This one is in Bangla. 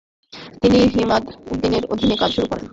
তিনি ইমাদউদ্দিনের অধীনে কাজ শুরু করেন।